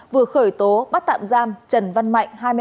vừa khởi tố bắt tạm giam trần văn mạnh